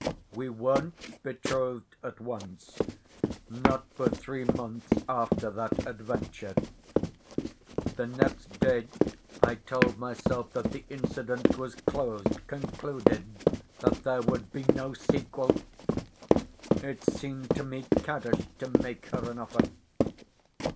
"We weren't betrothed at once, not for three months after that adventure. The next day I told myself that the incident was closed, concluded, that there would be no sequel. It seemed to me caddish to make her an offer.